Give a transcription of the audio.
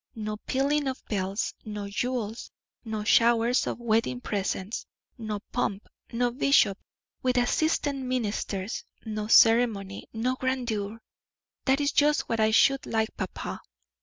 No pealing of bells, no jewels, no showers of wedding presents, no pomp, no bishop, with assistant ministers, no ceremony, no grandeur. That is just what I should like, papa."